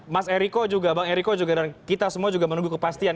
mas eriko juga bang eriko juga dan kita semua juga menunggu kepastian